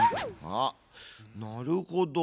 あっなるほど。